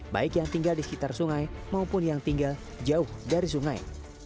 baik yang tinggal di sekitar sungai maupun yang tinggal jauh dari sungai